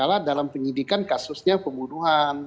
adalah dalam penyidikan kasusnya pembunuhan